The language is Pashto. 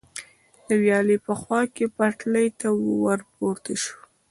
د ویالې په خوا کې پټلۍ ته ور پورته شو.